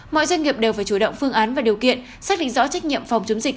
mọi doanh nghiệp đều phải chủ động phương án và điều kiện xác định rõ trách nhiệm phòng chống dịch